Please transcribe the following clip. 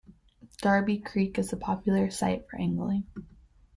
Darby Creek is a popular site for angling.